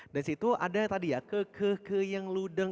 dan disitu ada tadi ya ke ke ke yang ludeng